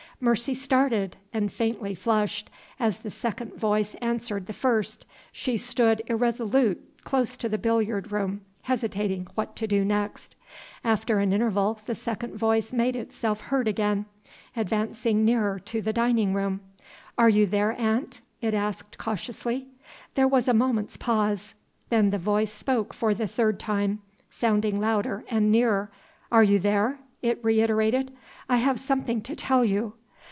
Mercy started, and faintly flushed, as the second voice answered the first. She stood irresolute close to the billiard room, hesitating what to do next. After an interval the second voice made itself heard again, advancing nearer to the dining room: "Are you there, aunt?" it asked cautiously. There was a moment's pause. Then the voice spoke for the third time, sounding louder and nearer. "Are you there?" it reiterated; "I have something to tell you."